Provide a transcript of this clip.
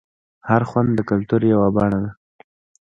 هر خوند د کلتور یوه بڼه ده.